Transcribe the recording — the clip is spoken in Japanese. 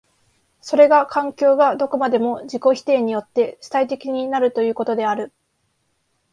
それが環境がどこまでも自己否定によって主体的となるということである。